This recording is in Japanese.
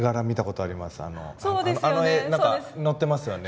あの絵何か載ってますよね。